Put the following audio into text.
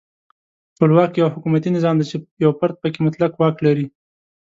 ټولواک یو حکومتي نظام دی چې یو فرد پکې مطلق واک لري.